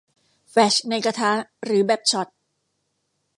แฟลชในกระทะหรือแบบช็อต